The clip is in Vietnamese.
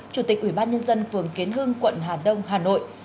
chủ tịch ủy ban nhân dân phường kiến hưng quận hà đông hà nội